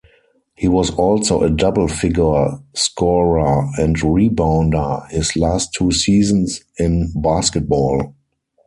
He was also a double-figure scorer and rebounder his last two seasons in basketball.